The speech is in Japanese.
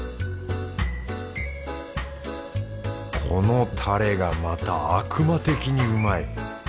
このタレがまた悪魔的にうまい。